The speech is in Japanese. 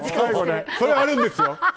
これはあるんですよ。